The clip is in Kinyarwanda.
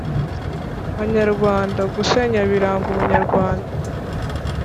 banyarwanda gusenya biranga ubunyarwanda.